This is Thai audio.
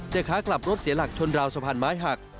แต่ขากลับรถเสียหลักชนราวสะพานไม้หัก